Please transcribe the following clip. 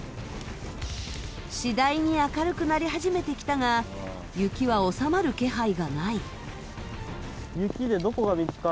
次第に明るくなり始めてきたが雪は収まる気配がない。